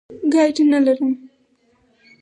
نه ګائیډ لرم.